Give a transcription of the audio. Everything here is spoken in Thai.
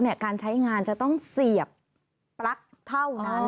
การใช้งานจะต้องเสียบปลั๊กเท่านั้น